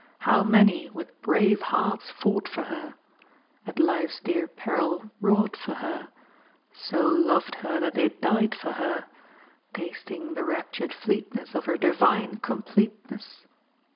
How many with brave hearts fought for her, At life's dear peril wrought for her, So loved her that they died for her, Tasting the raptured fleetness Of her Divine completeness?"